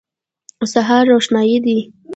سهار روښنايي دی.